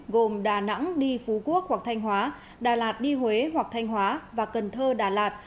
gồm đà nẵng đi phú quốc hoặc thanh hóa đà lạt đi huế hoặc thanh hóa và cần thơ đà lạt